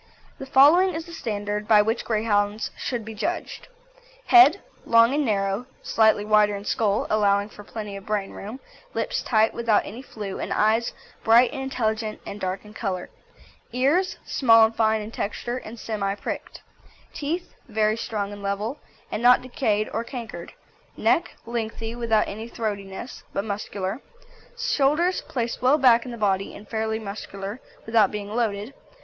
The following is the standard by which Greyhounds should be judged. HEAD Long and narrow, slightly wider in skull, allowing for plenty of brain room; lips tight, without any flew, and eyes bright and intelligent and dark in colour. EARS Small and fine in texture, and semi pricked. TEETH Very strong and level, and not decayed or cankered. NECK Lengthy, without any throatiness, but muscular. SHOULDERS Placed well back in the body, and fairly muscular, without being loaded.